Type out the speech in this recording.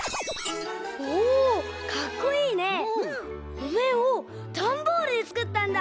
おめんをダンボールでつくったんだ！